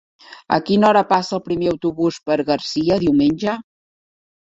A quina hora passa el primer autobús per Garcia diumenge?